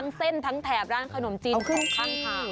ทั้งเส้นทั้งแถบร้านขนมจีนยังคล้าไม่ขนาด